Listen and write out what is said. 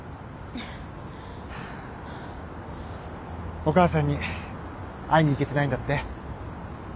お母さんに会いに行けてないんだって？